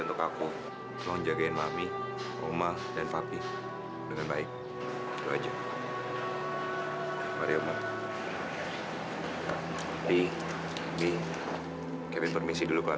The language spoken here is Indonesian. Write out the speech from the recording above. maka kamu harus berusaha